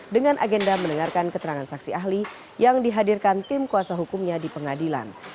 dengan agenda mendengarkan keterangan saksi ahli yang dihadirkan tim kuasa hukumnya di pengadilan